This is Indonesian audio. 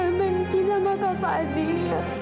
kamu gak benci sama kak fadil